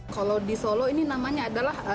kalau di solo ini namanya adalah